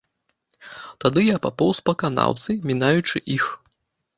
Тады я папоўз па канаўцы, мінаючы іх.